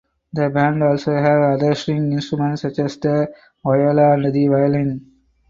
The band also has other string instruments such as the viola and the violin.